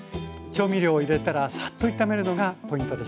調味料を入れたらさっと炒めるのがポイントでした。